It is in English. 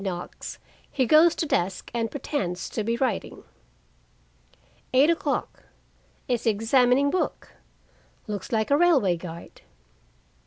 knocks, he goes to desk and pretends to be writing. 8:00 Is examining book. Looks like a railway guide.